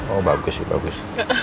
oh bagus sih bagus